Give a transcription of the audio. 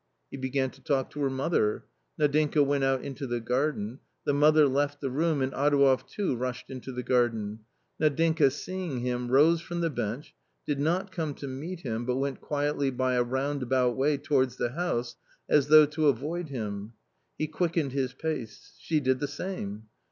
He began to talk to her mother. Nadinka went out into the garden. The mother left the room and Adouev too rushed into the garden. Nadinka seeing him, rose from the bench, did not come to meet him, but went quietly by a roundabout way towards the house, as though to avoid him. He quickened his pace, she did the same.